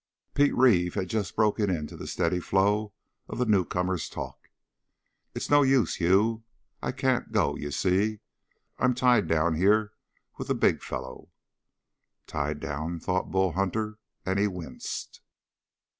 Pete Reeve had just broken into the steady flow of the newcomer's talk. "It's no use, Hugh. I can't go, you see. I'm tied down here with the big fellow." "Tied down?" thought Bull Hunter, and he winced.